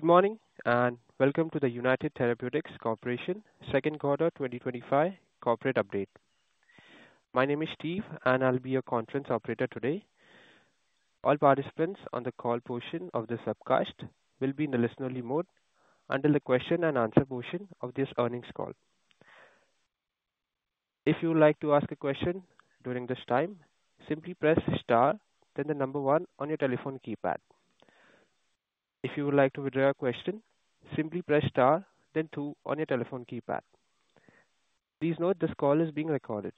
Good morning and welcome to the United Therapeutics Corporation Second Quarter 2025 Corporate Update. My name is Steve and I'll be your conference operator today. All participants on the call portion of this webcast will be in the listen-only mode until the Question and Answer portion of this earnings call. If you would like to ask a question during this time, simply press Star then the number one on your telephone keypad. If you would like to withdraw a question, simply press Star then two on your telephone keypad. Please note this call is being recorded.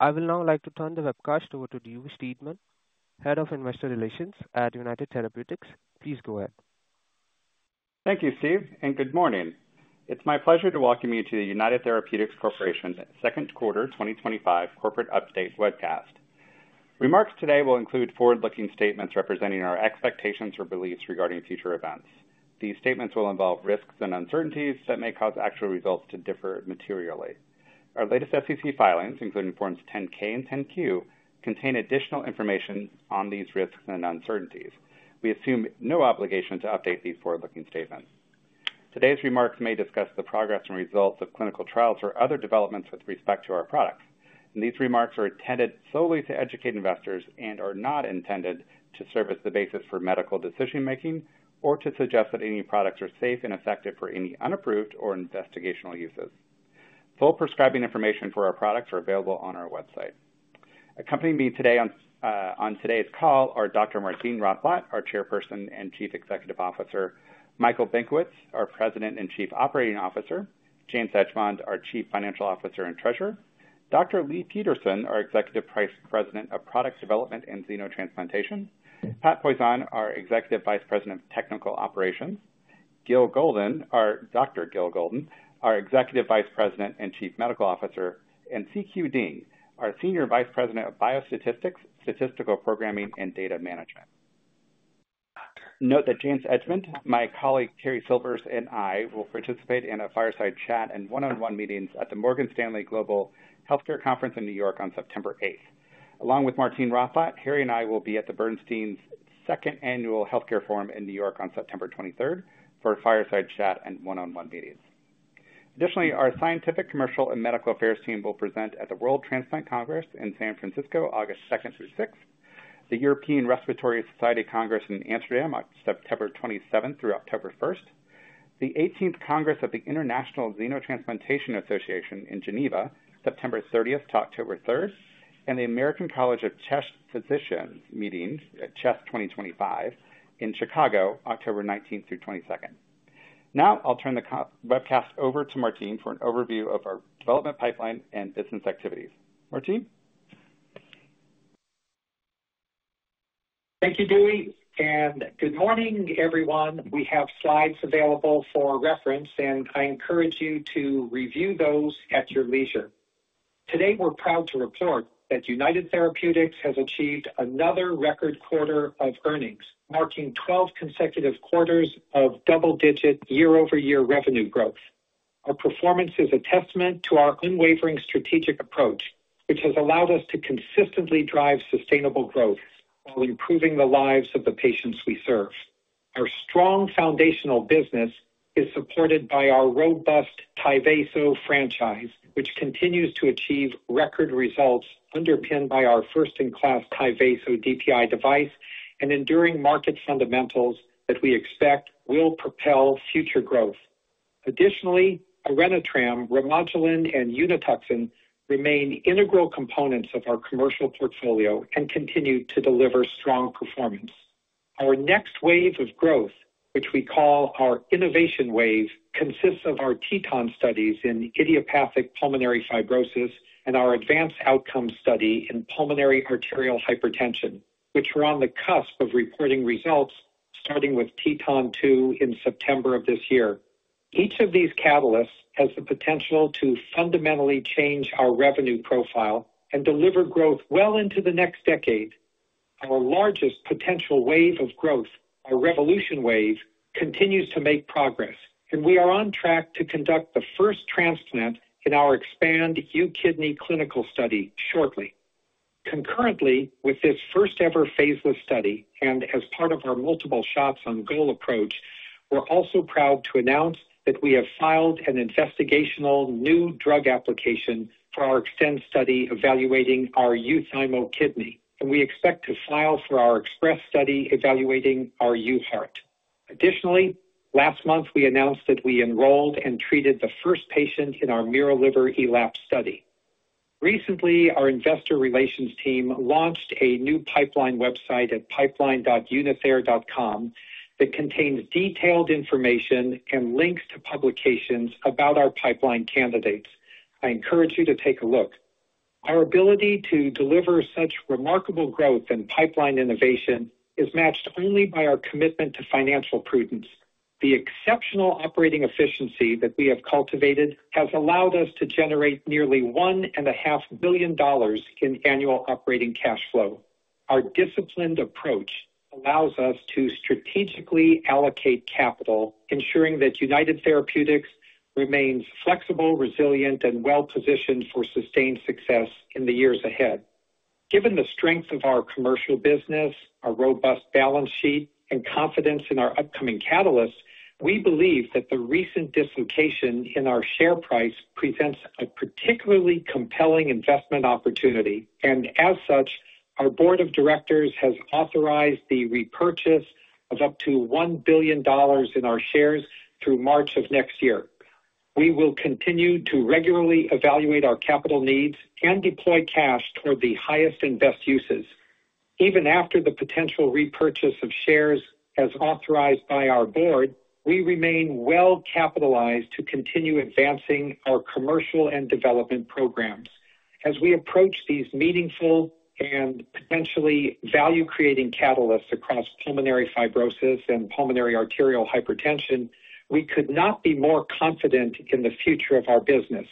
I would now like to turn the webcast over to Dewey Steadman, Head of Investor Relations at United Therapeutics. Please go ahead. Thank you Steve and good morning. It's my pleasure to welcome you to the United Therapeutics Corporation Second Quarter 2025 Corporate Update Webcast. Remarks today will include forward looking statements representing our expectations or beliefs regarding future events. These statements will involve risks and uncertainties that may cause actual results to differ materially. Our latest SEC filings, including Forms 10-K and 10-Q, contain additional information on these risks and uncertainties. We assume no obligation to update these forward looking statements. Today's remarks may discuss the progress and results of clinical trials or other developments with respect to our products. These remarks are intended solely to educate investors and are not intended to serve as the basis for medical decision making or to suggest that any products are safe and effective for any unapproved or investigational uses. Full prescribing information for our products is available on our website. Accompanying me today on today's call are Dr. Martine Rothblatt, our Chairperson and Chief Executive Officer, Michael Benkowitz, our President and Chief Operating Officer, James Edgemond, our Chief Financial Officer and Treasurer, Dr. Leigh Peterson, our Executive Vice President of Product Development and Xenotransplantation, Patrick Poisson, our Executive Vice President of Technical Operations, Dr. Gil Golden, our Executive Vice President and Chief Medical Officer, and C.Q. Deng, our Senior Vice President of Biostatistics, Statistical Programming and Data Management. Note that James Edgemond, my colleague Terry Silvers and I will participate in a fireside chat and one on one meetings at the Morgan Stanley Global Healthcare Conference in New York on September 8. Along with Martine Rothblatt, Terry and I will be at the Bernstein 2nd Annual Healthcare Forum in New York on September 23rd for a fireside chat and one on one meetings. Additionally, our scientific, commercial and medical affairs team will present at the World Transplant Congress in San Francisco August 2nd through 6th, the European Respiratory Society Congress in Amsterdam on September 27th through October 1st, the 18th Congress of the International Xenotransplantation Association in Geneva, September 30th to October 3rd, and the American College of Chest Physicians meeting at Chest 2025 in Chicago October 19th through 22nd. Now I'll turn the webcast over to Martine for an overview of our development pipeline and business activities. Martine? Thank you, Dewey, and good morning, everyone. We have slides available for reference, and I encourage you to review those at your leisure. Today we're proud to report that United Therapeutics has achieved another record quarter of earnings, marking 12 consecutive quarters of double-digit year-over-year revenue growth. Our performance is a testament to our unwavering strategic approach, which has allowed us to consistently drive sustainable growth while improving the lives of the patients we serve. Our strong foundational business is supported by our robust Tyvaso franchise, which continues to achieve record results underpinned by our first-in-class Tyvaso DPI device and enduring market fundamentals that we expect will propel future growth. Additionally, Orenitram, Remodulin, and Unituxin remain integral components of our commercial portfolio and continue to deliver strong performance. Our next wave of growth, which we call our Innovation Wave, consists of our TETON studies in idiopathic pulmonary fibrosis and our ADVANCE OUTCOMES study in pulmonary arterial hypertension, which we're on the cusp of reporting results for, starting with TETON-2 in September of this year. Each of these catalysts has the potential to fundamentally change our revenue profile and deliver growth well into the next decade. Our largest potential wave of growth, our revolution wave, continues to make progress, and we are on track to conduct the first transplant in our EXPAND UKidney Clinical Study shortly. Concurrently with this first-ever [phase I] study, and as part of our multiple shots on goal approach, we're also proud to announce that we have filed an investigational new drug application for our EXTEND study evaluating our UThymoKidney, and we expect to file for our EXPRESS study evaluating our Uheart. Additionally, last month we announced that we enrolled and treated the first patient in our miroliverELAP study. Recently, our Investor Relations team launched a new pipeline website at pipeline.unither.com that contains detailed information and links to publications about our pipeline candidates. I encourage you to take a look. Our ability to deliver such remarkable growth and pipeline innovation is matched only by our commitment to financial prudence. The exceptional operating efficiency that we have cultivated has allowed us to generate nearly $1.5 billion in annual operating cash flow. Our disciplined approach allows us to strategically allocate capital, ensuring that United Therapeutics remains flexible, resilient, and well positioned for sustained success in the years ahead. Given the strength of our commercial business, our robust balance sheet, and confidence in our upcoming catalysts, we believe that the recent dislocation in our share price presents a particularly compelling investment opportunity, and as such, our Board of Directors has authorized the repurchase of up to $1 billion in our shares through March of next year. We will continue to regularly evaluate our capital needs and deploy cash toward the highest and best uses. Even after the potential repurchase of shares as authorized by our Board, we remain well capitalized to continue advancing our commercial and development programs. As we approach these meaningful and potentially value creating catalysts across pulmonary fibrosis and pulmonary arterial hypertension, we could not be more confident in the future of our business.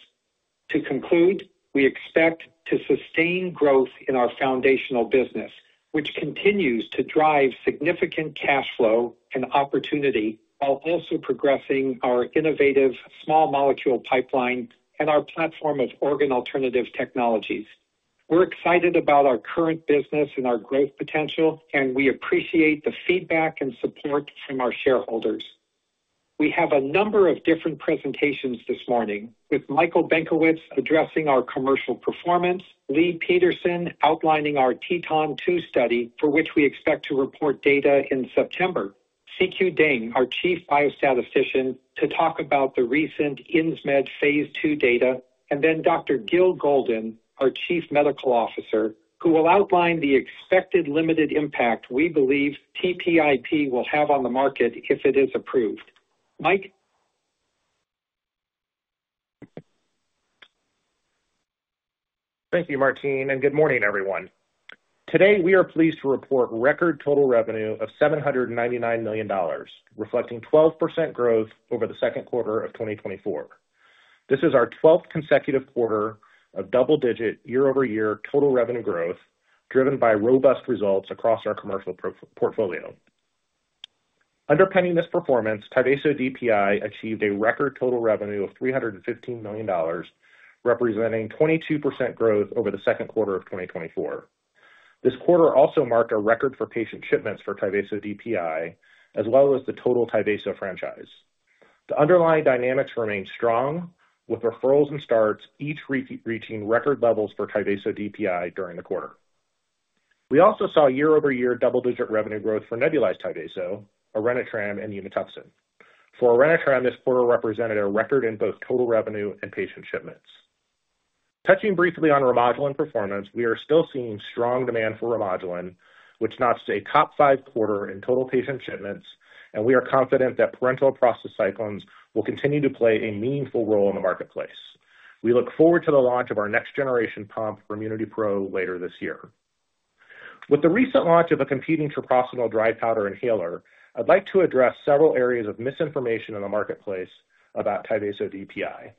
To conclude, we expect to sustain growth in our foundational business, which continues to drive significant cash flow and opportunity, while also progressing our innovative Small Molecule Pipeline and our platform of organ alternative technologies. We're excited about our current business and our growth potential, and we appreciate the feedback and support from our shareholders. We have a number of different presentations this morning, with Michael Benkowitz addressing our commercial performance, Leigh Peterson outlining our TETON-2 study for which we expect to report data in September, C.Q. Deng, our Chief Biostatistician, to talk about the recent Insmed phase II data, and then Dr. Gil Golden, our Chief Medical Officer, who will outline the expected limited impact we believe TPIP will have on the market if it is approved. Mike? Thank you, Martine, and good morning, everyone. Today we are pleased to report record total revenue of $799 million, reflecting 12% growth over the second quarter of 2024. This is our 12th consecutive quarter of double-digit year-over-year total revenue growth, driven by robust results across our commercial portfolio. Underpinning this performance, Tyvaso DPI achieved a record total revenue of $315 million, representing 22% growth over the second quarter of 2024. This quarter also marked a record for patient shipments for Tyvaso DPI as well as the total Tyvaso franchise. The underlying dynamics remain strong, with referrals and starts each reaching record levels for Tyvaso DPI during the quarter. We also saw year-over-year double-digit revenue growth for nebulized Tyvaso, Orenitram, and Unituxin. For Orenitram, this quarter represented a record in both total revenue and patient shipments. Touching briefly on Remodulin performance, we are still seeing strong demand for Remodulin, which notched a top five quarter in total patient shipments, and we are confident that parenteral prostacyclins will continue to play a meaningful role in the marketplace. We look forward to the launch of our next-generation pump RemunityPRO later this year. With the recent launch of a competing treprostinil dry powder inhaler, I'd like to address several areas of misinformation in the marketplace about Tyvaso DPI.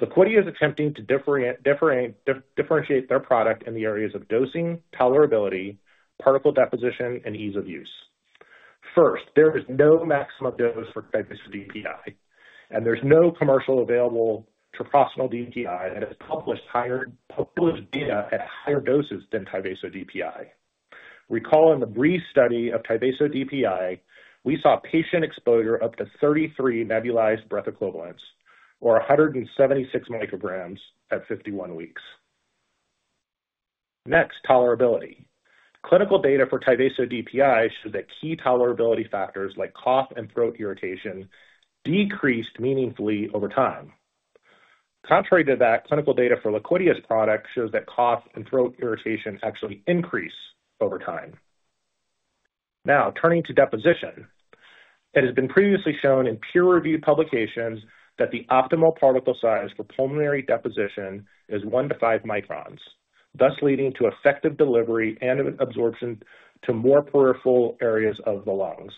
Liquidia is attempting to differentiate their product in the areas of dosing, tolerability, particle deposition, and ease of use. First, there is no maximum dose for Tyvaso DPI, and there's no commercially available treprostinil DPI that has published [data] at higher doses than Tyvaso DPI. Recall, in the brief study of Tyvaso DPI, we saw patient exposure up to 33 nebulized breath equivalents, or 176 micrograms, at 51 weeks. Next, tolerability clinical data for Tyvaso DPI show that key tolerability factors like cough and throat irritation decreased meaningfully over time. Contrary to that, clinical data for Liquidia's product shows that cough and throat irritation actually increase over time. Now turning to deposition. It has been previously shown in peer-reviewed publications that the optimal particle size for pulmonary deposition is 1-5 microns, thus leading to effective delivery and absorption to more peripheral areas of the lungs.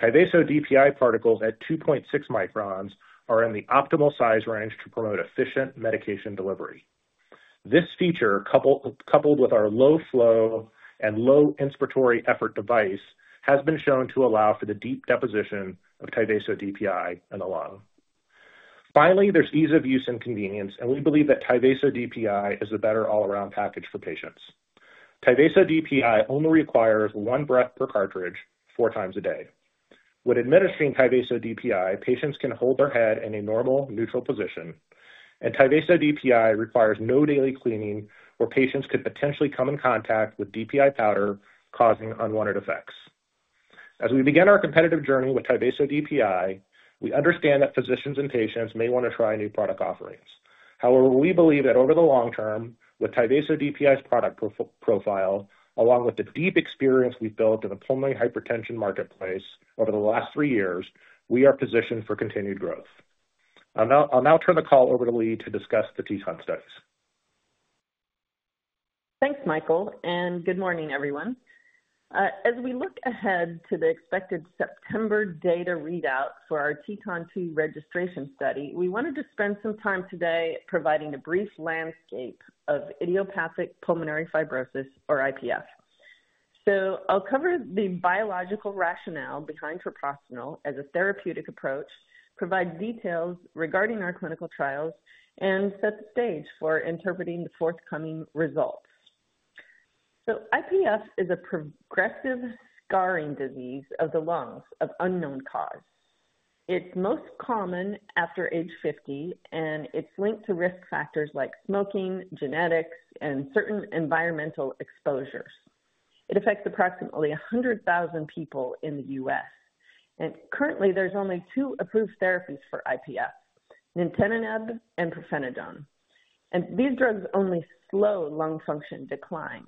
Tyvaso DPI particles at 2.6 microns are in the optimal size range to promote efficient medication delivery. This feature, coupled with our low flow and low inspiratory effort device, has been shown to allow for the deep deposition of Tyvaso DPI in the lung. Finally, there is ease of use and convenience, and we believe that Tyvaso DPI is the better all-around package for patients. Tyvaso DPI only requires one breath per cartridge four times a day. When administering Tyvaso DPI, patients can hold their head in a normal neutral position, and Tyvaso DPI requires no daily cleaning where patients could potentially come in contact with DPI powder, causing unwanted effects. As we begin our competitive journey with Tyvaso DPI, we understand that physicians and patients may want to try new product offerings. However, we believe that over the long term, with Tyvaso DPI's product profile, along with the deep experience we have built in the pulmonary hypertension marketplace over the last three years, we are positioned for continued growth. I'll now turn the call over to Leigh to discuss the TETON studies. Thanks Michael and good morning everyone. As we look ahead to the expected September data readout for our TETON-2 registration study, we wanted to spend some time today providing a brief landscape of idiopathic pulmonary fibrosis, or IPF. I'll cover the biological rationale behind treprostinil as a therapeutic approach, provide details regarding our clinical trials, and set the stage for interpreting the forthcoming results. IPF is a progressive scarring disease of the lungs of unknown cause. It's most common after age 50 and it's linked to risk factors like smoking, genetics, and certain environmental exposures. It affects approximately 100,000 people in the U.S. and currently there's only two approved therapies for IPF, nintedanib and pirfenidone. These drugs only slow lung function decline.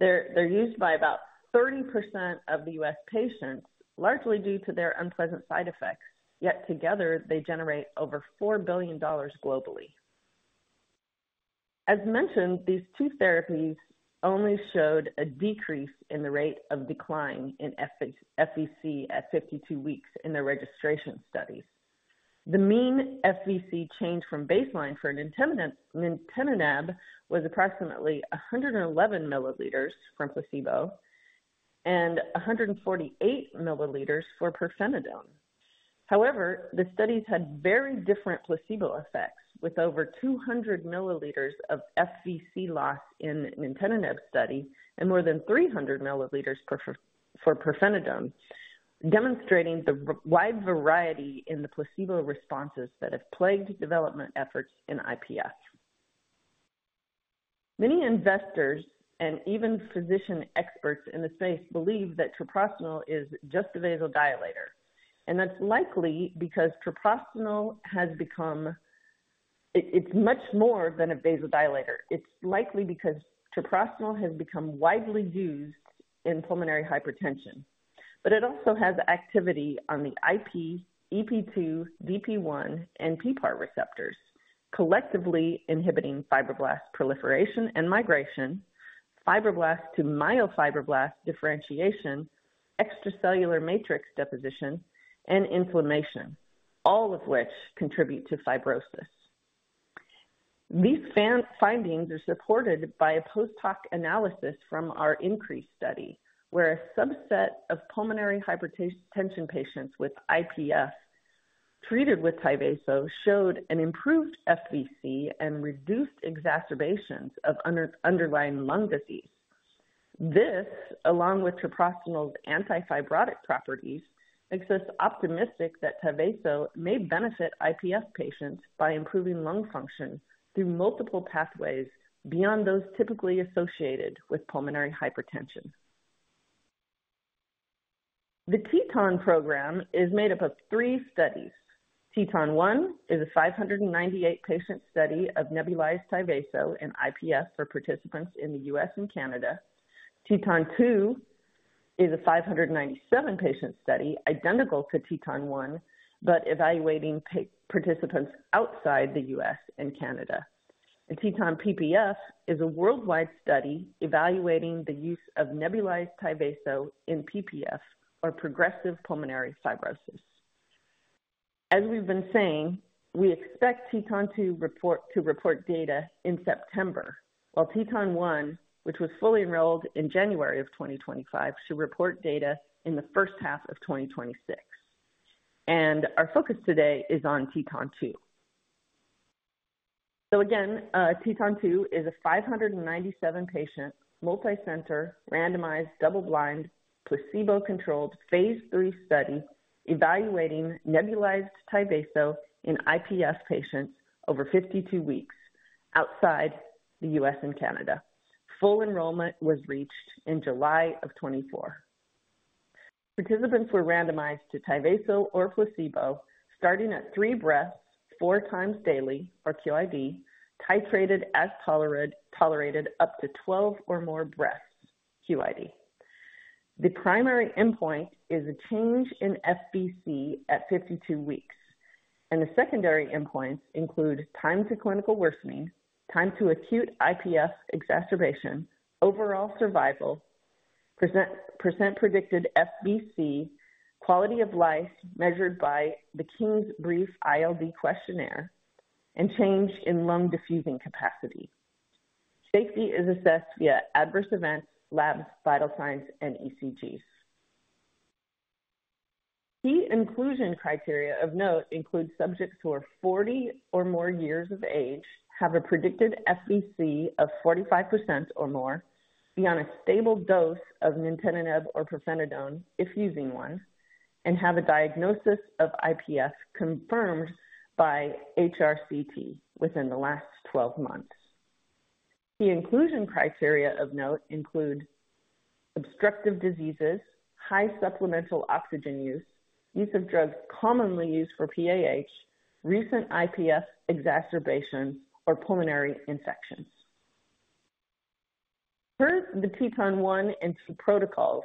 They're used by about 30% of the U.S. patients, largely due to their unpleasant side effects, yet together they generate over $4 billion globally. As mentioned, these two therapies only showed a decrease in the rate of decline in FVC at 52 weeks. In their registration studies, the mean FVC change from baseline for nintedanib was approximately 111 mL from placebo and 148 mL for pirfenidone. However, the studies had very different placebo effects, with over 200 mL of FVC loss in the nintedanib study and more than 300 mL for pirfenidone, demonstrating the wide variety in the placebo responses that have plagued development efforts in IPF. Many investors and even physician experts in the space believe that treprostinil is just a vasodilator, and that's likely because treprostinil has become—it's much more than a vasodilator. It's likely because treprostinil has become widely used in pulmonary hypertension, but it also has activity on the IP, EP2, DP1, and PPAR receptors, collectively inhibiting fibroblast proliferation and migration, fibroblast to myofibroblast differentiation, extracellular matrix deposition, and inflammation, all of which contribute to fibrosis. These findings are supported by a post hoc analysis from our INCREASE study, where a subset of pulmonary hypertension patients with IPF treated with Tyvaso showed an improved FVC and reduced exacerbations of underlying lung disease. This, along with treprostinil's anti-fibrotic properties, makes us optimistic that Tyvaso may benefit IPF patients by improving lung function through multiple pathways beyond those typically associated with pulmonary hypertension. The TETON program is made up of three studies. TETON-1 is a 598 patient study of nebulized Tyvaso in IPF for participants in the U.S. and Canada. TETON-2 is a 597 patient study identical to TETON-1 but evaluating participants outside the U.S. and Canada. TETON-PPF is a worldwide study evaluating the use of nebulized Tyvaso in PPF or progressive pulmonary fibrosis. As we've been saying, we expect TETON-2 to report data in September while TETON-1, which was fully enrolled in January of 2025, should report data in the first half of 2026. Our focus today is on TETON-2. Again, TETON-2 is a 597 patient multicenter randomized double-blind placebo-controlled phase III study evaluating nebulized Tyvaso in IPF patients over 52 weeks outside the U.S. and Canada. Full enrollment was reached in July of 2024. Participants were randomized to Tyvaso or placebo starting at 3 breaths 4 times daily or QID, titrated as tolerated up to 12 or more breaths QID. The primary endpoint is a change in FVC at 52 weeks and the secondary endpoints include time to clinical worsening, time to acute IPF exacerbation, overall survival, percent predicted FVC, quality of life measured by the King's Brief ILD questionnaire, and change in lung diffusing capacity. Safety is assessed via adverse events, labs, vital signs, and ECGs. Key inclusion criteria of note include subjects who are 40 or more years of age, have a predicted FVC of 45% or more, be on a stable dose of nintedanib or pirfenidone if using one, and have a diagnosis of IPF confirmed by HRCT within the last 12 months. The exclusion criteria of note include obstructive diseases, high supplemental oxygen use, use of drugs commonly used for PAH, recent IPF exacerbation, or pulmonary infections per the TETON 1 and 2 protocols.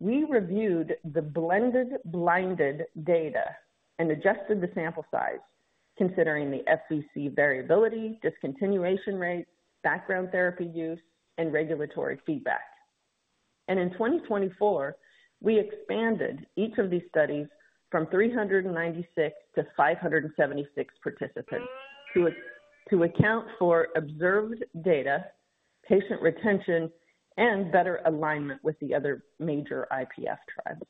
We reviewed the blended blinded data and adjusted the sample size considering the FVC variability, discontinuation rate, background therapy use, and regulatory feedback, and in 2024 we expanded each of these studies from 396 to 576 participants to account for observed data, patient retention, and better alignment with the other major IPF trials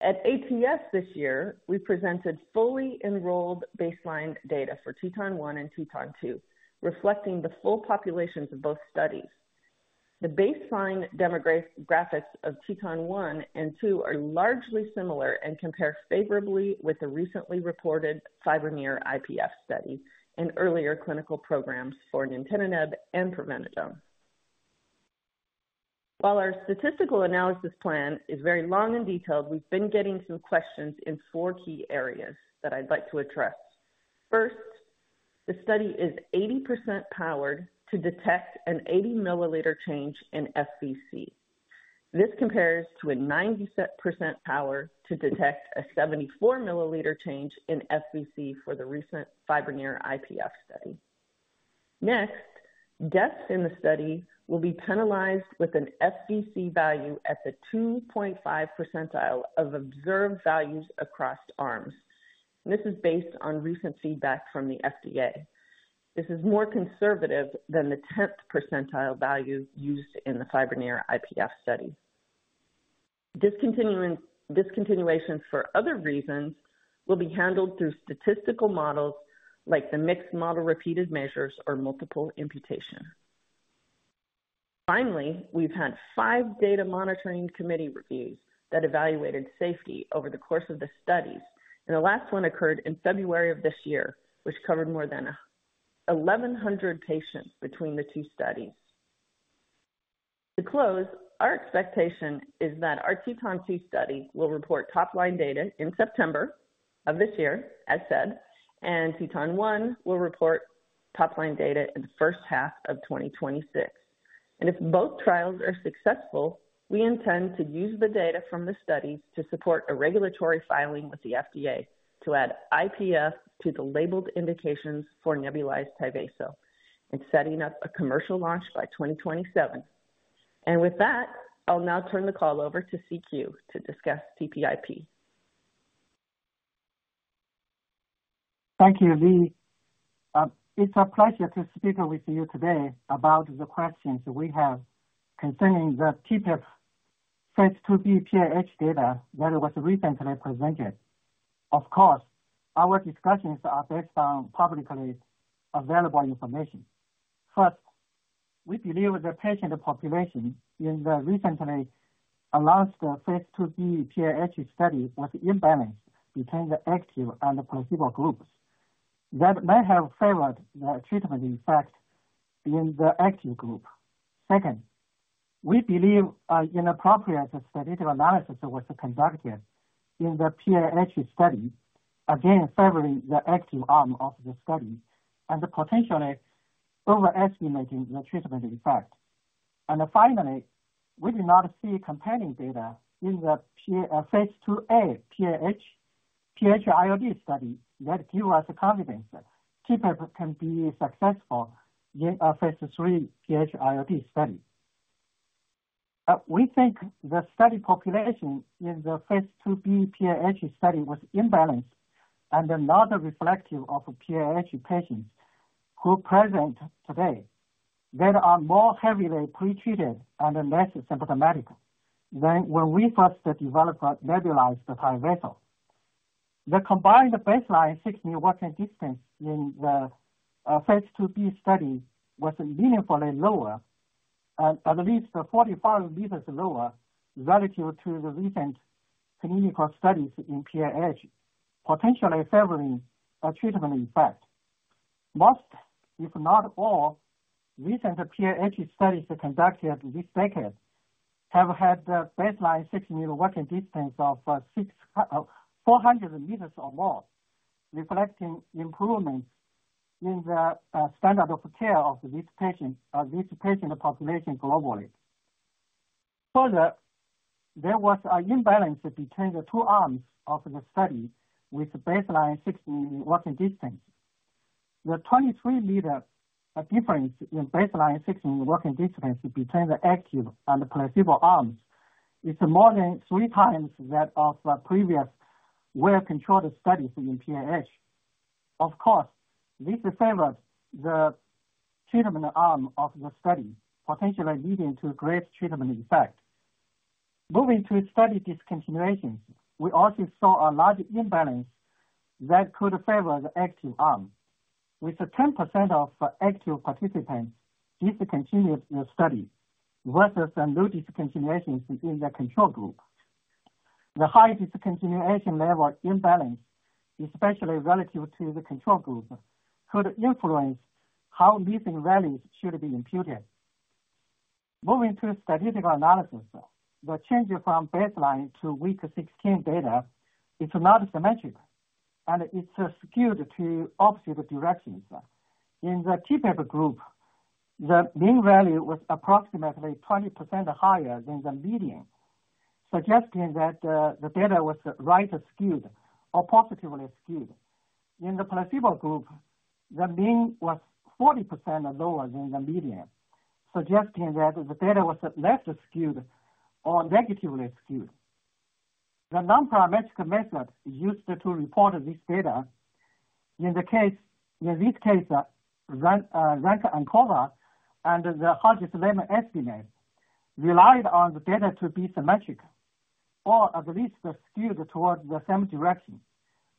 at ATS. This year we presented fully enrolled baseline data for TETON 1 and TETON 2, reflecting the full populations of both studies. The baseline demographics of TETON 1 and 2 are largely similar and compare favorably with the recently reported FIBRONEER-IPF study and earlier clinical programs for nintedanib and pirfenidone. While our statistical analysis plan is very long and detailed, we've been getting some questions in four key areas that I'd like to address. First, the study is 80% powered to detect an 80 mL change in FVC. This compares to a 90% power to detect a 74 mL change in FVC for the recent FIBRONEER-IPF study. Next, deaths in the study will be penalized with an FVC value at the 2.5 percentile of observed values across arms. This is based on recent feedback from the FDA. This is more conservative than the 10th percentile value used in the FIBRONEER-IPF study. Discontinuations for other reasons will be handled through statistical models like the mixed model repeated measures or multiple imputation. Finally, we've had five data monitoring committee reviews that evaluated safety over the course of the studies and the last one occurred in February of this year which covered more than 1,100 patients between the two studies. To close, our expectation is that our TETON-2 study will report top line data in September of this year as said, and TETON-1 will report top line data in the first half of 2026. If both trials are successful, we intend to use the data from the studies to support a regulatory filing with the FDA to add IPF to the labeled indications for nebulized Tyvaso and setting up a commercial launch by 2027. With that, I'll now turn the call over to C.Q. to discuss TPIP. Thank you Leigh. It's a pleasure to speak with you today about the questions we have concerning the TPIP phase II-B PAH data that was recently presented. Of course, our discussions are based on publicly available information. First, we believe the patient population in the recently announced phase II-B PAH study was imbalanced between the active and placebo groups that may have favored the treatment effect in the active group. Second, we believe inappropriate statistical analysis was conducted in the PAH study, again favoring the active arm of the study and potentially overestimating the treatment effect. Finally, we did not see compelling data in the phase II-A PAH PH-ILD study that give us confidence TPIP can be successful in a phase III PH-ILD study. We think the study population in the phase II-B PAH study was imbalanced and not reflective of PAH patients who present today that are more heavily pretreated and less symptomatic than when we first developed nebulized Tyvaso. The combined baseline 6-minute walk distance in the phase II-B study was meaningfully lower, at least 45 m lower relative to the recent clinical studies in PAH, potentially favoring a treatment effect. Most if not all recent PAH studies conducted this decade have had baseline 6-minute walk distance of 400 m or more reflecting improvements in the standard of care of this patient population globally. Further, there was an imbalance between the two arms of the study with baseline 6-minute walk distance. The 23 m difference in baseline 6-minute walk distance between the active and placebo arms is more than three times that of previous well controlled studies in PAH. Of course, this favors the treatment arm of the study potentially leading to great treatment effect. Moving to study discontinuations, we also saw a large imbalance that could favor the active arm with 10% of active participants discontinued the study versus no discontinuations in the control group. The high discontinuation level imbalance, especially relative to the control group, could influence how missing values should be imputed. Moving to statistical analysis, the change from baseline to week 16 data is not symmetric and it's skewed to opposite directions. In the TPIP group the mean value was approximately 20% higher than the median suggesting that the data was right skewed or positively skewed. In the placebo group the mean was 40% lower than the median suggesting that the data was less skewed or negatively skewed. The nonparametric method used to report this data in this case, rank [ANCOVA and the Hodges-Lehmann estimate], relied on the data to be symmetric or at least skewed towards the same direction.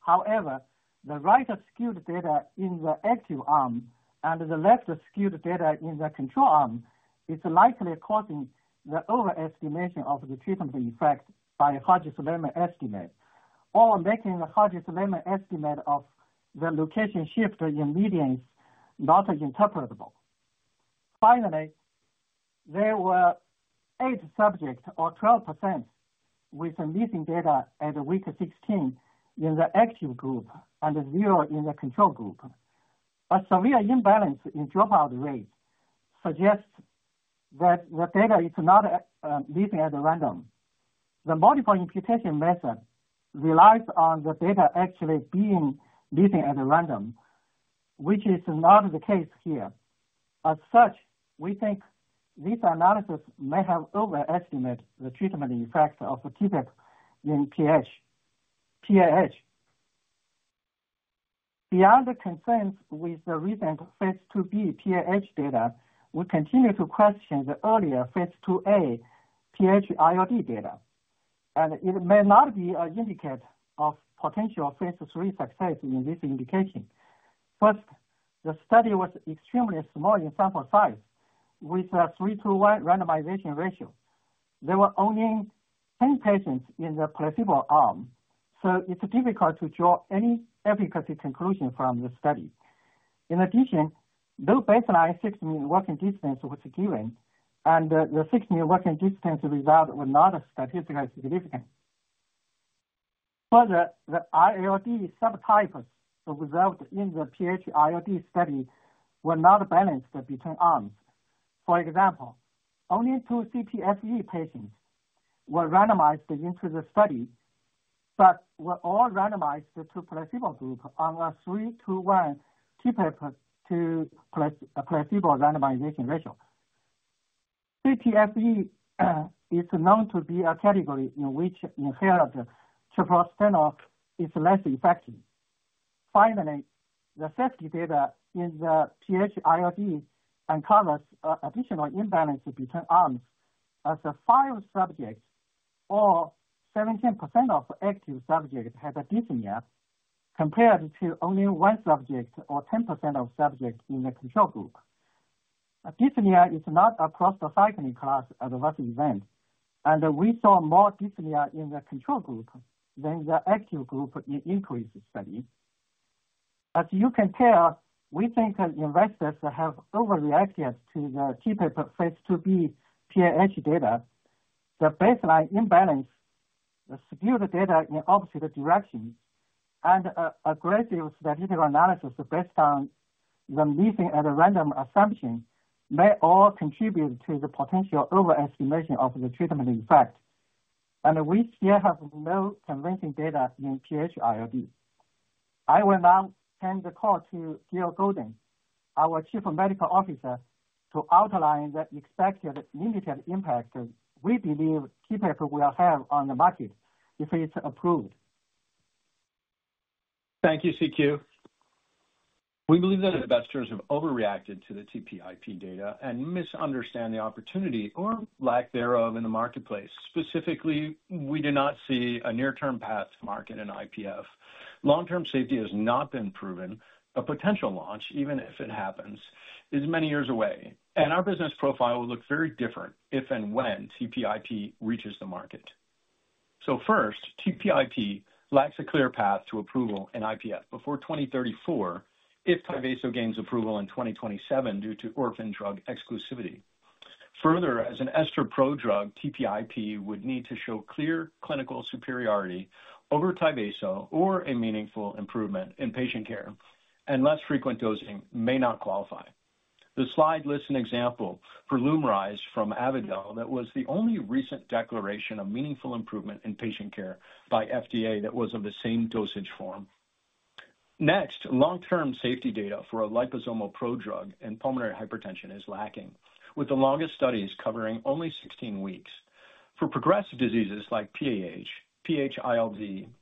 However, the right-skewed data in the active arm and the left-skewed data in the control arm is likely causing the overestimation of the treatment effect by Hodges-Lehmann estimate or making the Hodges-Lehmann estimate of the location shift in medians not interpretable. Finally, there were eight subjects, or 12%, with missing data at week 16 in the active group and zero in the control group. A severe imbalance in dropout rate suggests that the data is not missing at random. The multiple imputation method relies on the data actually being missing at random, which is not the case here. As such, we think this analysis may have overestimated the treatment effect of TPIP in PAH. Beyond the concerns with the recent phase II-B PAH data, we continue to question the earlier phase II-A PH-ILD data and it may not be an indicator of potential phase III success in this indication. First, the study was extremely small in sample size with a 3-to-1 randomization ratio. There were only 10 patients in the placebo arm, so it's difficult to draw any efficacy conclusion from the study. In addition, though baseline 6-minute walk distance was given, the 6-minute walk distance result was not statistically significant. Further, the ILD subtypes resulted in the PH-ILD study were not balanced between arms. For example, only two CPFE patients were randomized into the study but were all randomized to placebo group on a 3-to-1 TPIP to placebo randomization ratio. CPFE is known to be a category in which inhaled treprostinil is less effective. Finally, the safety data in the PH-ILD encounters additional imbalance between arms as five subjects, or 17% of active subjects, had dyspnea compared to only one subject, or 10% of subjects, in the control group. Dyspnea is not a prostacyclin class adverse event and we saw more dyspnea in the control group than the active group in the INCREASE study. As you can tell, we think investors have overreacted to the TPIP phase II-B PAH data. The baseline imbalance skewed the data in opposite directions and aggressive statistical analysis based on the missing at random assumption may all contribute to the potential overestimation of the treatment effect and we still have no convincing data in PH-ILD. I will now hand the call to Gil Golden, our Chief Medical Officer, to outline the expected limited impact we believe TPIP will have on the market if it's approved. Thank you, C.Q. We believe that investors have overreacted to the TPIP data and misunderstand the opportunity or lack thereof in the marketplace. Specifically, we do not see a near term path to market in IPF. Long term safety has not been proven. A potential launch, even if it happens, is many years away and our business profile will look very different if and when TPIP reaches the market. First, TPIP lacks a clear path to approval in IPF before 2034 if Tyvaso gains approval in 2027 due to orphan drug exclusivity. Further, as an ester prodrug, TPIP would need to show clear clinical superiority over Tyvaso or a meaningful improvement in patient care, and less frequent dosing may not qualify. The slide lists an example for Lumryz from Avadel that was the only recent declaration of meaningful improvement in patient care by FDA that was of the same dosage form. Next, long term safety data for a liposomal prodrug in pulmonary hypertension is lacking, with the longest studies covering only 16 weeks. For progressive diseases like PAH, PH-ILD,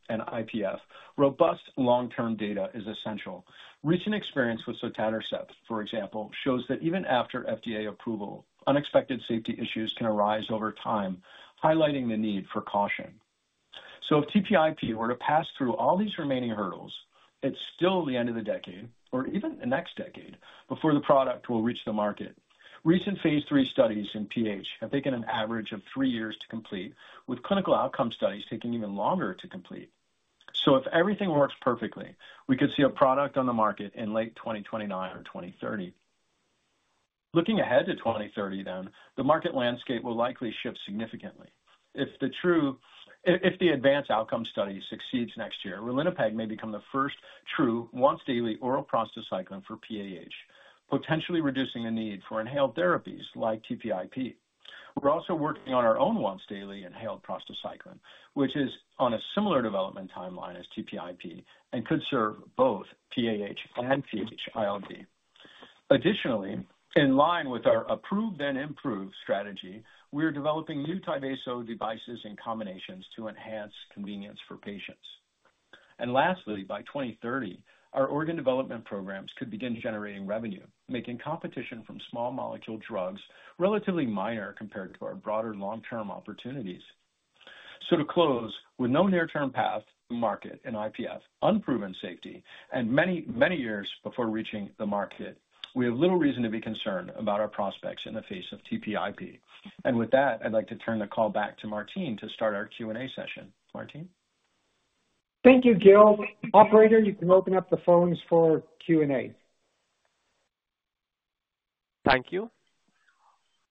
and IPF, robust long term data is essential. Recent experience with sotatercept, for example, shows that even after FDA approval, unexpected safety issues can arise over time, highlighting the need for caution. If TPIP were to pass through all these remaining hurdles, it's still the end of the decade or even the next decade before the product will reach the market. Recent phase III studies in PH have taken an average of three years to complete, with clinical outcome studies taking even longer to complete. If everything works perfectly, we could see a product on the market in late 2029 or 2030. Looking ahead to 2030, the market landscape will likely shift significantly. If the ADVANCE OUTCOMES study succeeds next year, ralinepag may become the first true once daily oral prostacyclin for PAH, potentially reducing the need for inhaled therapies like TPIP. We're also working on our own once daily inhaled prostacyclin, which is on a similar development timeline as TPIP and could serve both PAH and PH-ILD. Additionally, in line with our approved and improve strategy, we are developing new Tyvaso devices and combinations to enhance convenience for patients. Lastly, by 2030, our organ development programs could begin generating revenue, making competition from small molecule drugs relatively minor compared to our broader long term opportunities. To close, with no near term path to market in IPF, unproven safety, and many, many years before reaching the market, we have little reason to be concerned about our prospects in the face of TPIP. With that, I'd like to turn the call back to Martine to start our Q&A session. Martine? Thank you, Gil. Operator, you can open up the phones for Q&A. Thank you.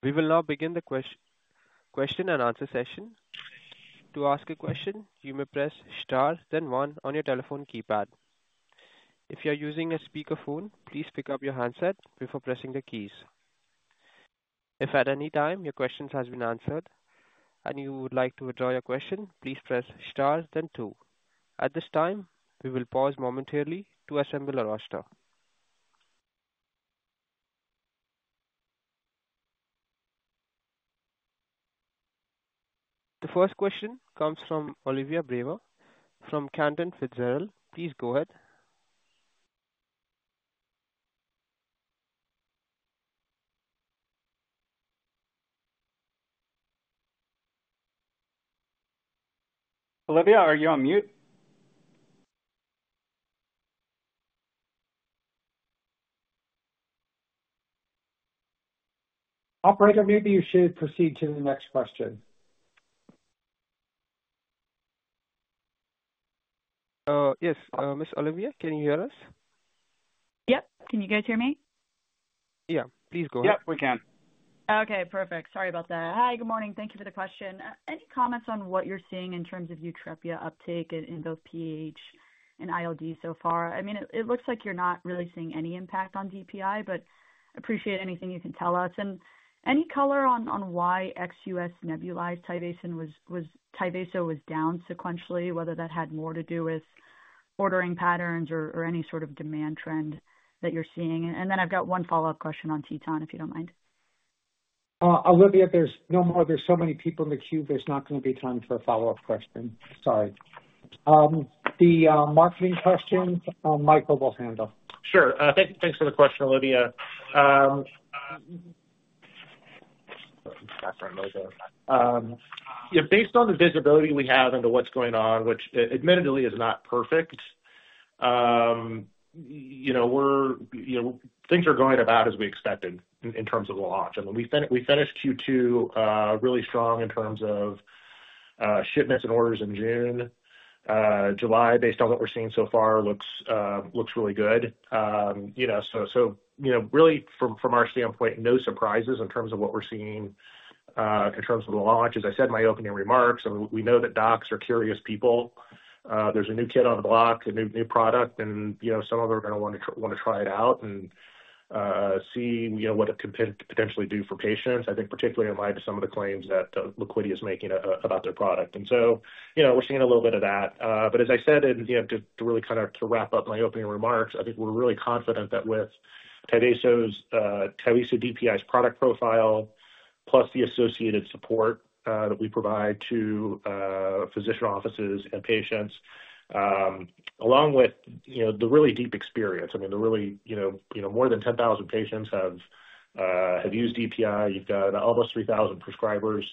We will now begin the question and answer session. To ask a question, you may press star, then one on your telephone keypad. If you are using a speakerphone, please pick up your handset before pressing the keys. If at any time your questions have been answered and you would like to withdraw your question, please press star then two. At this time we will pause momentarily to assemble a roster. The first question comes from Olivia Brayer from Cantor Fitzgerald. Please go ahead. Olivia. Are you on mute? Operator, Maybe you should proceed to the next question. Yes, Ms. Olivia, can you hear us? Yep. Can you guys hear me? Yeah. Please go ahead. Yeah, we can. Okay, perfect. Sorry about that. Hi, good morning. Thank you for the question. Any comments on what you're seeing in terms of Tyvaso uptake in both PAH and ILD? So far, I mean it looks like you're not really seeing any impact on DPI, but appreciate anything you can tell us and any color on why ex-U.S. nebulized Tyvaso was down sequentially. Whether that had more to do with ordering patterns or any sort of demand trend that you're seeing. I have one follow-up question on TETON if you do not mind. Olivia. There's no more. There's so many people in the queue, there's not going to be time for a follow up question. Sorry, the marketing question. Michael will handle. Sure. Thanks for the question, Olivia. Based on the visibility we have into what's going on, which admittedly is not perfect, you know, we're, you know, things are going about as we expected in terms of launch. I mean we finished Q2 really strong in terms of shipments and orders in June, July. Based on what we're seeing so far, looks really good. Really from our standpoint, no surprises in terms of what we're seeing. Terms of the launch. As I said in my opening remarks, we know that docs are curious people. There's a new kid on the block, a new product and some of them are going to want to try it out and see what it could potentially do for patients, I think particularly in light of some of the claims that Liquidia is making about their product. We are seeing a little bit of that. As I said too, to really kind of wrap up my opening remarks, I think we're really confident that with Tyvaso DPI's product profile, plus the associated support that we provide to physician offices and patients, along with the really deep experience, I mean the really. More than 10,000 patients have used DPI. You've got almost 3,000 prescribers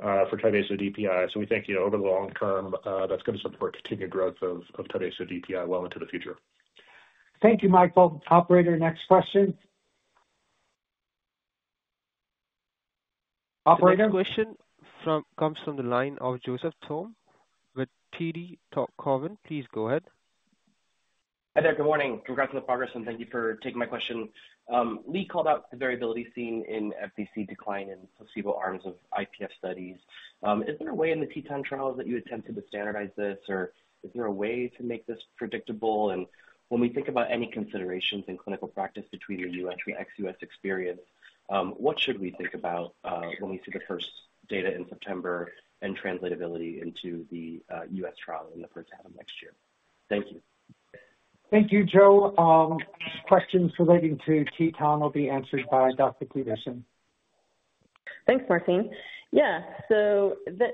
for Tyvaso DPI. We think over the long term that's going to support continued growth of Tyvaso DPI well into the future. Thank you, Michael. Operator, next question. Operator? This question comes from the line of Joseph Thome with TD Cowen. Please go ahead. Hi there. Good morning. Congrats on the progress and thank you for taking my question. Leigh called out the variability seen in. FVC decline in placebo arms of IPF studies. Is there a way in the TETON trials that you attempted to standardize this or is there a way to make this predictable? When we think about any considerations. In clinical practice between the U.S. and. The ex-U.S. experience, what should we. Think about when we see the first. Data in September and translatability into the U.S. trial in the first half of next year. Thank you. Thank you, Joe. Questions relating to TETON will be answered by Dr. Peterson. Thanks, Martine. Yeah, as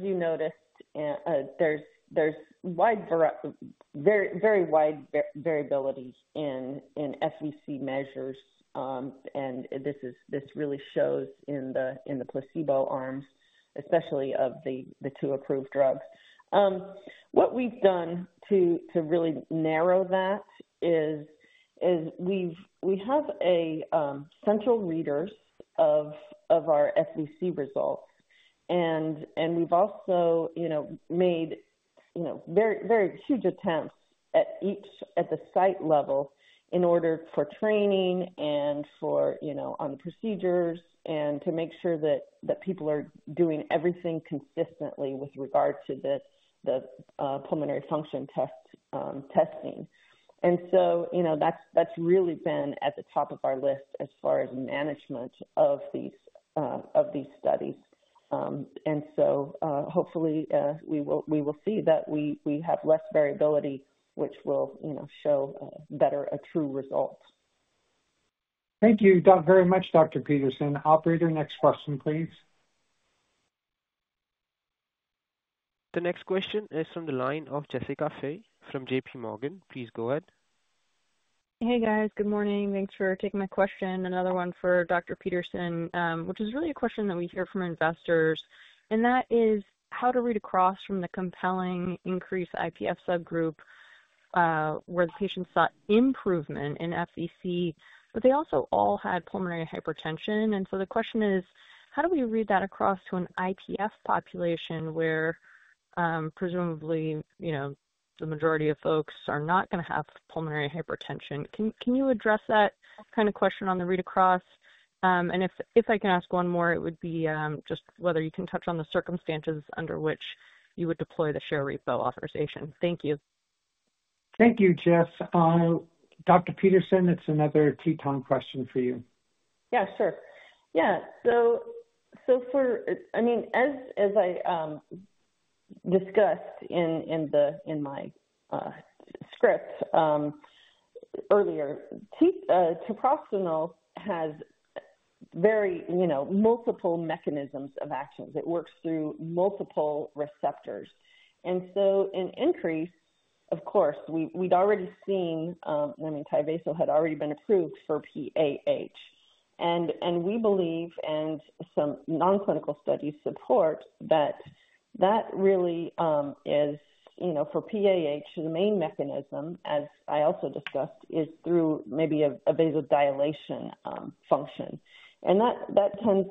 you noticed, there's very wide variability in FVC measures and this really shows in the placebo arms, especially of the two approved drugs. What we've done to really narrow that is we have central readers of our FVC results and we've also made very huge attempts at the site level in order for training on the procedures and to make sure that people are doing everything consistently with regard to the pulmonary function testing. That's really been at the top of our list as far as management of these studies. Hopefully we will see that we have less variability which will show better, a true result. Thank you very much, Dr. Peterson. Operator, next question please. The next question is from the line of Jessica Fye from JPMorgan. Please go ahead. Hey guys, good morning. Thanks for taking my question. Another one for Dr. Peterson, which is really a question that we hear from investors and that is how to read across from the compelling INCREASE IPF subgroup where the patients saw improvement in FVC, but they also all had pulmonary hypertension. The question is how do we read that across to an IPF population where presumably the majority of folks are not going to have pulmonary hypertension. Can you address that kind of question on the read across and if I can ask one more, it would be just whether you can touch on the circumstances under which you would deploy the share repo authorization. Thank you. Thank you, Jess. Dr. Peterson, it's another TETON question for you. Yeah, sure, yeah. For, I mean, as I discussed in my script earlier, treprostinil has very multiple mechanisms of action. It works through multiple receptors. In INCREASE, of course, we'd already seen, I mean Tyvaso had already been approved for PAH and we believe, and some nonclinical studies support, that that really is for PAH. The main mechanism, as I also discussed, is through maybe a vasodilation function. That tends,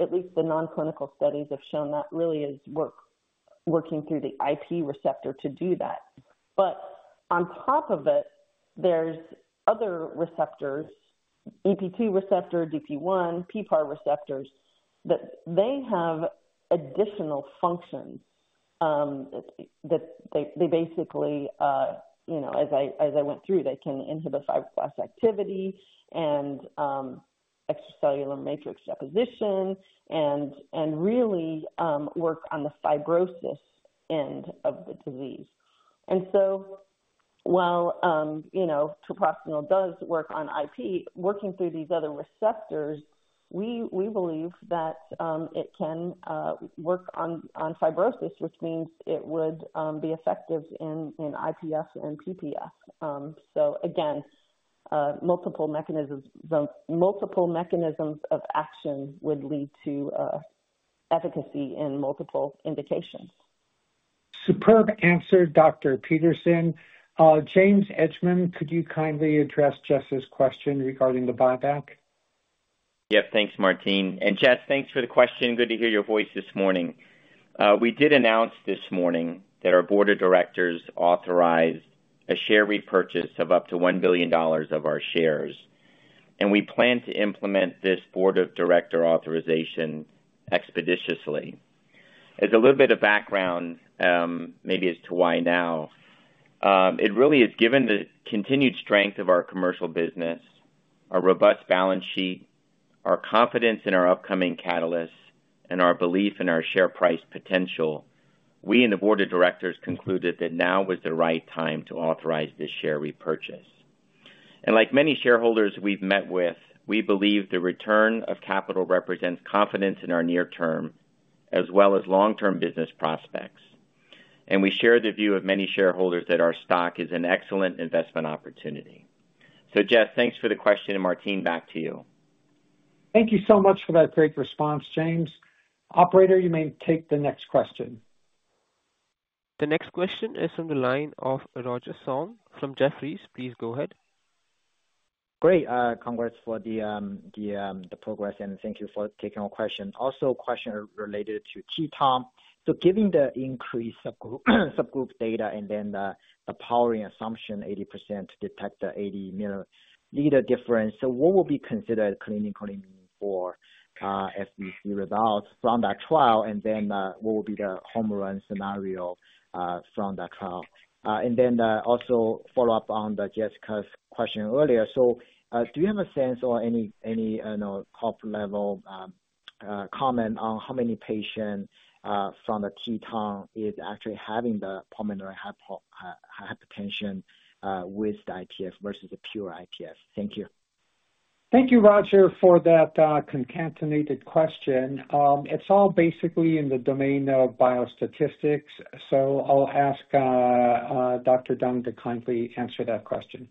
at least the nonclinical studies have shown, that really is working through the IP receptor to do that. On top of it, there are other receptors, EP2 receptor, DP1, PPAR receptors, that have additional functions. Basically, as I went through, they can inhibit fibroblast activity and extracellular matrix deposition and really work on the fibrosis end of the disease. While treprostinil does work on IP, working through these other receptors, we believe that it can work on fibrosis, which means it would be effective in IPF and PPF. Again, multiple mechanisms of action would lead to efficacy in multiple indications. Superb answer, Dr. Peterson. James Edgemond, could you kindly address Jess' question regarding the buyback? Yep. Thanks, Martine, and Jess, thanks for the question. Good to hear your voice this morning. We did announce this morning that our board of directors authorized a share repurchase of up to $1 billion of our shares. We plan to implement this board of director authorization expeditiously. As a little bit of background maybe as to why now, it really is given the continued strength of our commercial business, our robust balance sheet, our confidence in our upcoming catalysts, and our belief in our share price potential, we and the board of directors concluded that now was the right time to authorize this share repurchase. Like many shareholders we've met with, we believe the return of capital represents confidence in our near term as well as long term business prospects. We share the view of many shareholders that our stock is an excellent investment opportunity. Jess, thanks for the question. Martine, back to you. Thank you so much for that. Great response, James. Operator, you may take the next question. The next question is from the line of Roger Song from Jefferies. Please go ahead. Great. Congrats for the progress and thank you for taking our question. Also question related to TETON. Given the INCREASE subgroup data and. The powering assumption, 80%, detect the 80 mL difference. What will be considered clinically meaningful as we see results from that trial, and what will be the home run scenario from that trial? Also, follow up on Jessica's question earlier. Do you have a sense or any corporate level comment on how many patients from the TETON is actually having the pulmonary hypertension with the IPF versus a pure IPF? Thank you. Thank you, Roger, for that concatenated question. It's all basically in the domain of biostatistics, so I'll ask Dr. Deng to kindly answer that question.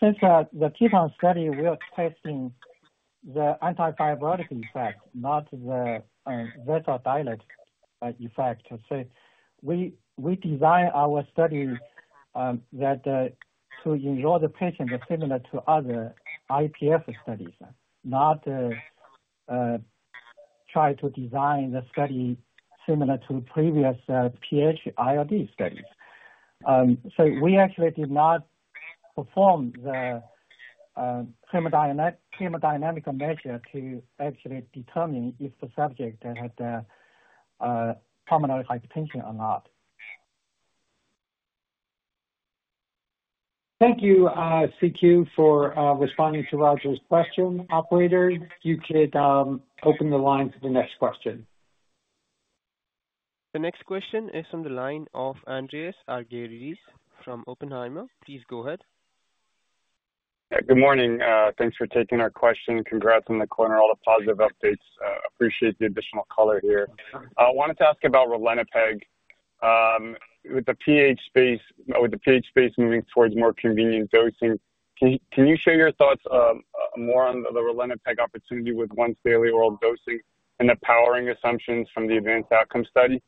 Since the TETON study will test the antifibrotic effect, not the vasodilate. We design our study to enroll the patient similar to other IPF studies, not try to design the study similar to previous PH IRD studies. We actually did not perform the hemodynamic measure to actually determine if the subject had pulmonary hypertension or not. Thank you C.Q. for responding to Roger's question. Operator, you could open the line to the next question. The next question is from the line of Andreas Argyrides from Oppenheimer. Please go ahead. Good morning. Thanks for taking our question. Congrats on the quarter, all the positive updates. Appreciate the additional color here. I wanted to ask about ralinepag with the PH space. With the PH space moving towards more convenient dosing, can you share your thoughts more on the Ralinepag opportunity with once daily oral dosing and the powering assumptions from the ADVANCE OUTCOMES study?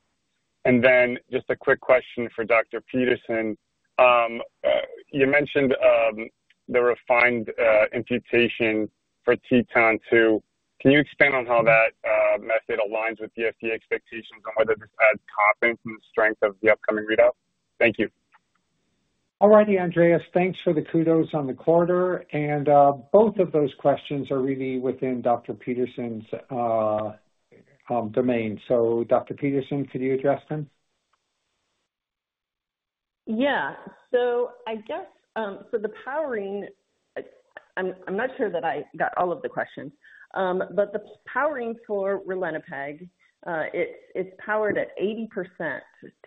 Just a quick question for Dr. Peterson. You mentioned the refined imputation for TETON-2. Can you expand on how that method aligns with the FDA expectations and whether this adds confidence and strength of the upcoming readout? Thank you. All righty. Andreas, thanks for the kudos on the corridor. Both of those questions are really within Dr. Peterson's domain. Dr. Peterson, could you address them? Yeah. I guess for the powering, I'm not sure that I got all of the questions, but the powering for ralinepag, it's powered at 80%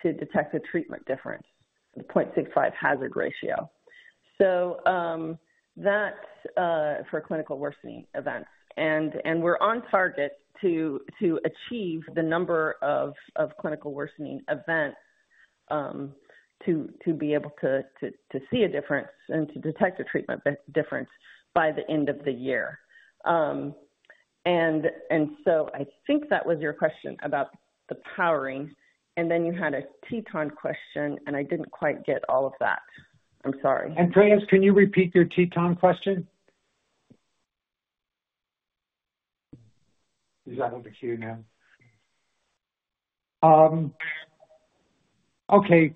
to detect a treatment difference, 0.65 hazard ratio. That is for clinical worsening events. We're on target to achieve the number of clinical worsening events to be able to see a difference and to detect a treatment difference by the end of the year. I think that was your question about the powering and then you had a TETON question and I didn't quite get all of that. I'm sorry. Andreas, can you repeat your TETON question? He's out of the queue now. Okay,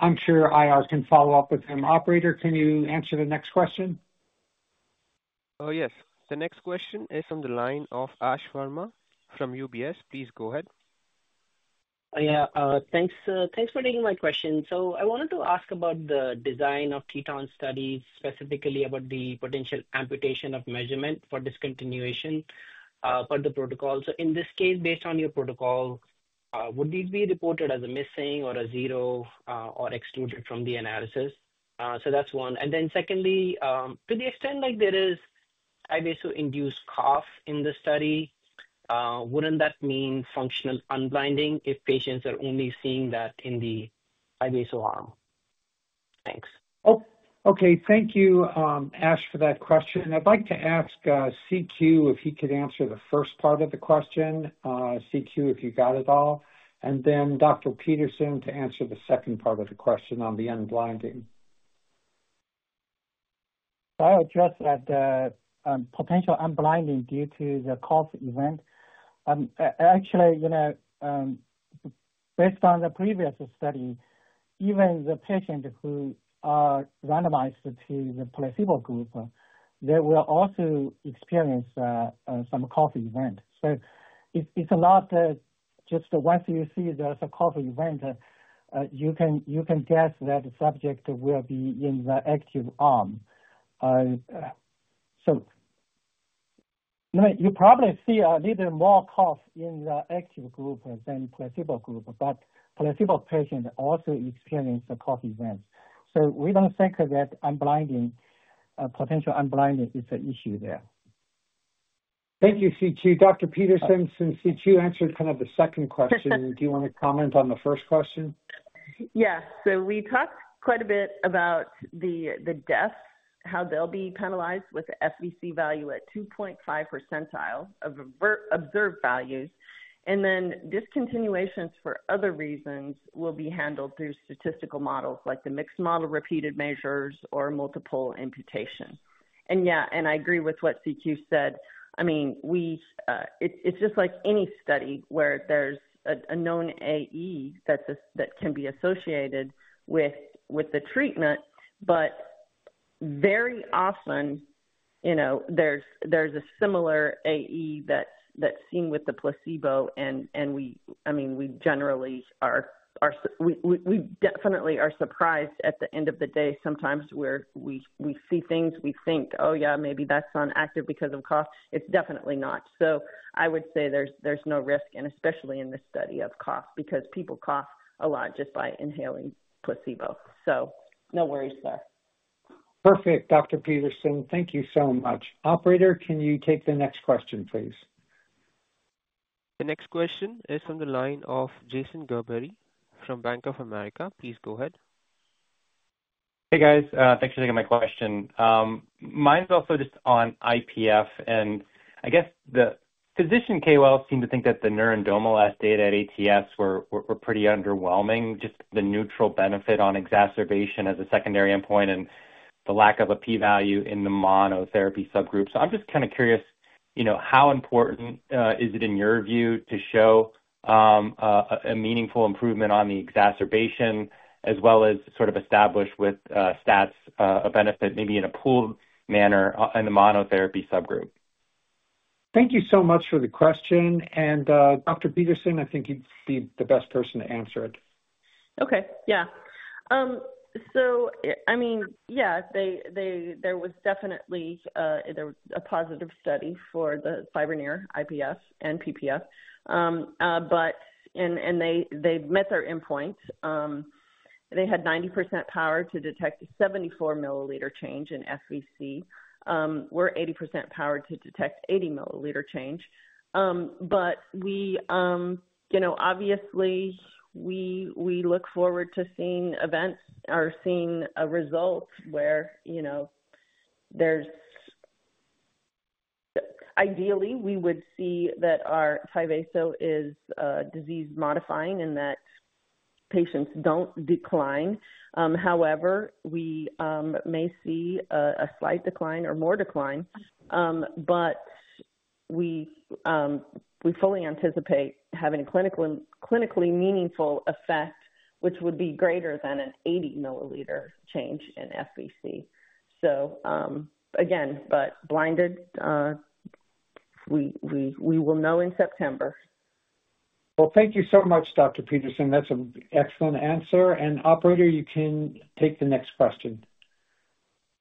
I'm sure IR can follow up with him. Operator, can you answer the next question? Yes, the next question is from the line of Ash Verma from UBS. Please go ahead. Yeah, thanks. Thanks for taking my question. I wanted to ask about the. Design of TETON studies, specifically about the. Potential amputation of measurement for discontinuity attenuation for the protocol. In this case, based on your. Protocol, would these be reported as a missing or a zero or extruded from the analysis? That is one. And then secondly, to the extent like there is Tyvaso-induced cough in the study, wouldn't that mean functional unblinding if patients are only seeing that in the Tyvaso arm. Thanks. Oh, okay. Thank you. Ash, for that question, I'd like to ask C.Q. if he could answer the first part of the question, C.Q. if you got it all. And then Dr. Peterson, to answer the second part of the question, on the unblinding. I would just add potential unblinding due to the cough event. Actually. Based on the previous study, even the patients who are randomized to the placebo group, they will also experience some cough event. It is not just once you see there is a cough event, you can guess that the subject will be in the active arm. You probably see a little more cough in the active than placebo group, but placebo patients also experience cough events. We do not think that unblinding potential unblinded is an issue there. Thank you, C.Q. Dr. Peterson, since C.Q. answered kind of the second question, do you want to comment on the first question? Yeah. We talked quite a bit about the deaths, how they'll be penalized with the FVC value at 2.5 percentile of observed values, and then discontinuations for other reasons will be handled through statistical models like the mixed model repeated measures or multiple imputation. Yeah, I agree with what C.Q. said. I mean, it's just like any study where there's a known AE that can be associated with the treatment, but very often, you know, there's a similar AE that's seen with the placebo. We generally are. We definitely are surprised at the end of the day sometimes where we see things, we think, oh, yeah, maybe that's on active because of cough. It's definitely not. I would say there's no risk, and especially in this study of cough, because people cough a lot just by inhaling placebo. No worries there. Perfect. Dr. Peterson, thank you so much. Operator, can you take the next question, please? The next q`uestion is from the line of Jason Gerberry from Bank of America. Please, go ahead. Hey, guys, thanks for taking my question. Mine's also just on IPF, and I. Guess the physician KOL seem to think. That the neuroendomalas data at ATS were pretty underwhelming. Just the neutral benefit on exacerbation as. A secondary endpoint and the lack of. a p-value in the monotherapy subgroup. I am just kind of curious, you know, how important is it in your view to show a meaningful improvement on the exacerbation as well as sort of establish with stats of benefit, maybe in. A pooled manner in the monotherapy subgroup? Thank you so much for the question. Dr. Peterson, I think you'd be the best person to answer it. Okay. Yeah. So, I mean, yeah, there was definitely a positive study for the FIBRONEER-IPF and PPF, and they met their endpoint. They had 90% power to detect a 74 mL change in FVC. We're 80% powered to detect 80 mL change. But we, you know, obviously we look forward to seeing events or seeing a result where, you know, there's ideally we would see that our Tyvaso is disease modifying and that patients don't decline. However, we may see a slight decline or more decline, but we fully anticipate having a clinically meaningful effect which would be greater than an 80 mL change in FVC. Again, but blinded, we will know in September. Thank you so much, Dr. Peterson. That's an excellent answer. Operator, you can take the next question.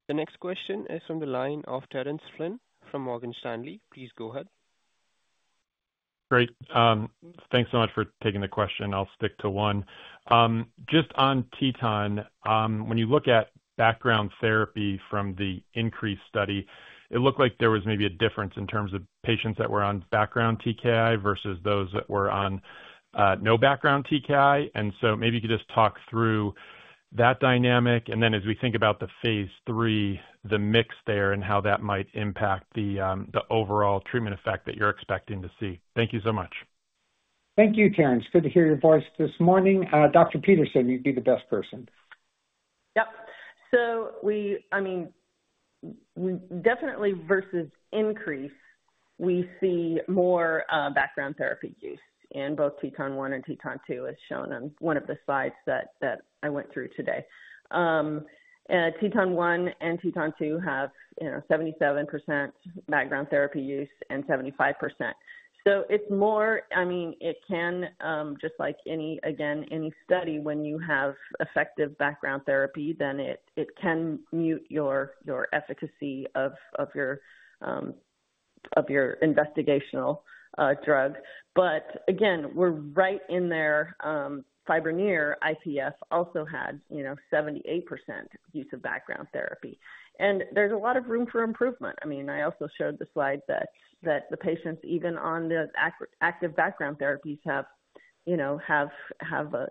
The next question is from the line of Terence Flynn from Morgan Stanley. Please go ahead. Great. Thanks so much for taking the question. I'll stick to one just on TETON. When you look at background therapy from the INCREASE study, it looked like there was maybe a difference in terms of patients that were on background TKI versus those that were on no background TKI. Maybe you could just talk through that dynamic. As we think about the phase III, the mix there and how that might impact the overall treatment effect that you're expecting to see. Thank you so much. Thank you, Terry. Good to hear your voice this morning, Dr. Peterson. You'd be the best person. Yep. We, I mean, definitely versus INCREASE, we see more background therapy use. In both TETON 1 and TETON 2, as shown on one of the slides that I went through today, TETON 1 and TETON 2 have 77% background therapy use and 75%. It is more, I mean, it can, just like any, again, any study, when you have effective background therapy, then it can mute your efficacy of your investigational drug. Again, we are right in there. FIBRONEER-IPF also had 78% use of background therapy. There is a lot of room for improvement. I mean, I also showed the slide that the patients even on the active background therapies have a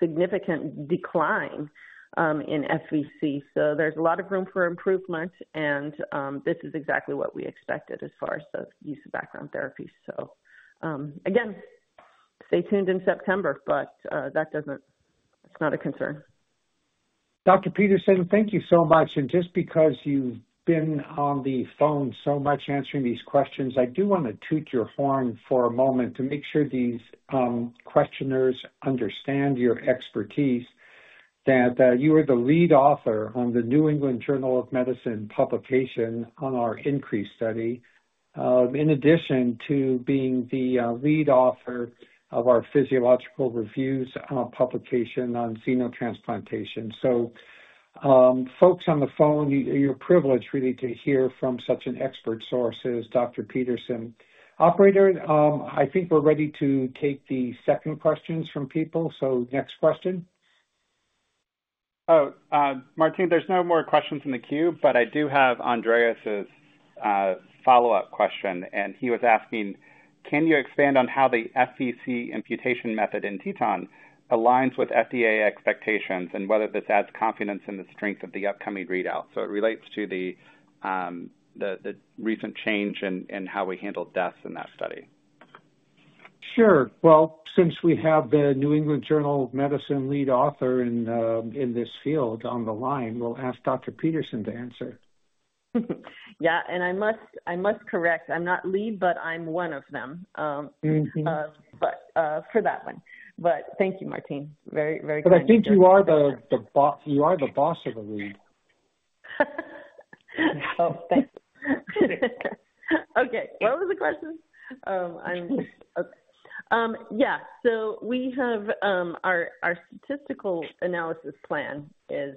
significant decline in FVC. There is a lot of room for improvement. This is exactly what we expect as far as the use of background therapy. Again, stay tuned in September. That does not, it is not a concern. Dr. Peterson, thank you so much. Just because you've been on the phone so much answering these questions, I do want to toot your horn for a moment to make sure these questioners understand your expertise that you are the lead author on the New England Journal of Medicine publication on our INCREASE, in addition to being the lead author of our Physiological Reviews publication on xenotransplantation. Folks on the phone, you're privileged really to hear from such an expert source as Dr. Peterson. Operator, I think we're ready to take the second questions from people. Next question. Oh, Martine, there's no more questions in the queue but I do have Andreas' follow-up question and he was asking can you expand on how the FVC imputation method in TETON aligns with FDA expectations and whether this adds confidence in the strength of the upcoming readout? It relates to the recent change in how we handled deaths in that study? Sure. Since we have the New England Journal of Medicine lead author in this field down the line, we will ask Dr. Peterson to answer. Yeah, and I must correct, I'm not lead, but I'm one of them for that one. But thank you, Martine. Very, very good. I think you are the boss of the lead. Okay, what was the question? Yeah, so we have our slides. Statistical analysis plan is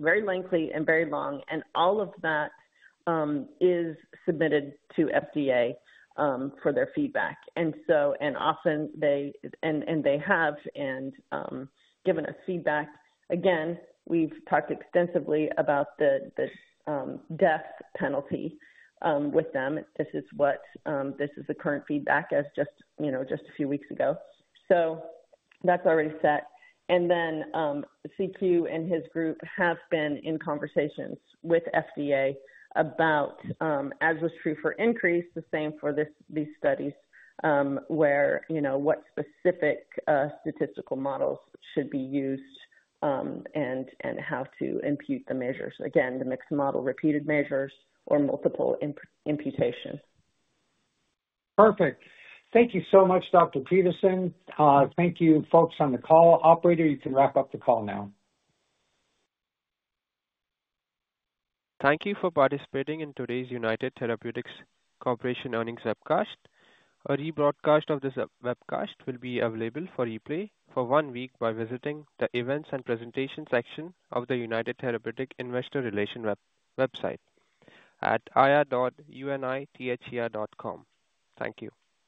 very lengthy and very long and all of that is submitted to FDA for their feedback. And so and often they, and they have and given us feedback again. We've talked extensively about the death penalty with them. This is what, this is the current feedback as just, you know, just a few weeks ago. So that's already set. And then C.Q. and his group have been in conversations with FDA about as was true for INCREASE the same for this these studies where you know what specific statistical models should be used and how to impute the measures. Again, the mixed model repeated measures or multiple imputation. Perfect. Thank you so much, Dr. Peterson. Thank you folks on the call. Operator, you can wrap up the call now. Thank you for participating in today's United Therapeutics Corporation earnings webcast. A rebroadcast of this webcast will be available for replay for one week by visiting the events and presentation section of the United Therapeutics Investor Relations webcast website at ir.unither.com. Thank you.